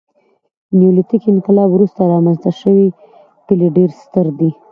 نیولیتیک انقلاب وروسته رامنځته شوي کلي ډېر ستر دي.